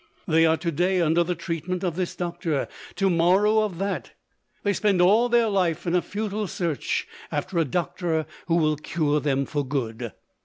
They are to day under the treatment of this doctor, to morrow of that. They spend all their life in a futile search after a doctor who will cure them for good.